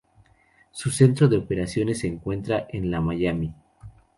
Su centro de operaciones se encuentra en la Miami.